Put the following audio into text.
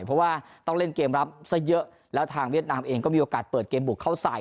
เพราะว่าต้องเล่นเกมรับซะเยอะแล้วทางเวียดนามเองก็มีโอกาสเปิดเกมบุกเข้าใส่